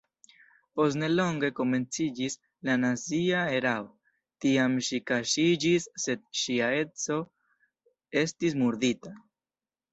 Post nelonge komenciĝis la nazia erao, tiam ŝi kaŝiĝis sed ŝia edzo estis murdita.